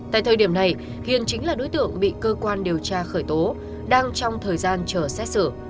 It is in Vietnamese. tại thời điểm này hiền chính là đối tượng bị cơ quan điều tra khởi tố đang trong thời gian chờ xét xử